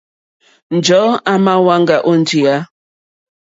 Njɔ̀ɔ́ à mà hwáŋgá ó njìyá.